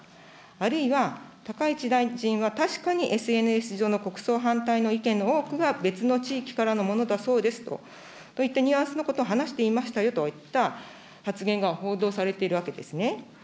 あるいは高市大臣は確かにＳＮＳ上の国葬反対の意見の多くが別の地域からのものだそうですといったニュアンスのことを話していましたよといった発言が報道されているわけですね。